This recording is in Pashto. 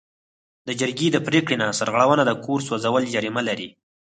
د جرګې د پریکړې نه سرغړونه د کور سوځول جریمه لري.